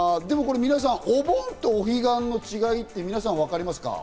皆さん、お盆とお彼岸の違いってわかりますか？